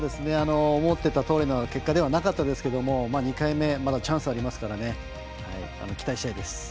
思っていたとおりの結果ではなかったですけど２回目まだチャンスあるので期待したいです。